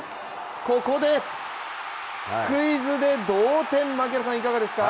ここでスクイズで同点、槙原さん、いかがですか。